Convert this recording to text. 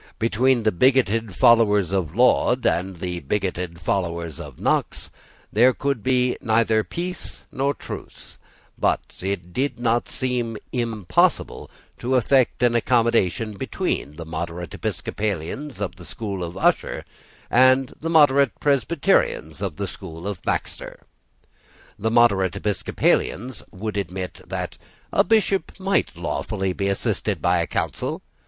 Between the bigoted followers of Laud and the bigoted followers of Knox there could be neither peace nor truce: but it did not seem impossible to effect an accommodation between the moderate Episcopalians of the school of Usher and the moderate Presbyterians of the school of Baxter. The moderate Episcopalians would admit that a Bishop might lawfully be assisted by a council.